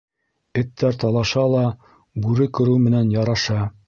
Эттәр талаша ла, бүре күреү менән яраша.